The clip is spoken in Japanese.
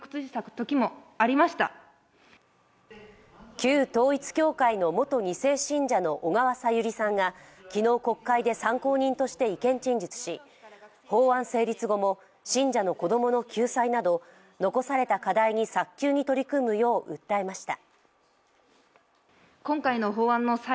旧統一教会の元２世信者の小川さゆりさんが昨日国会で参考人として意見陳述し法案成立後も信者の子供の救済など残された課題に早急に取り組むよう訴えました。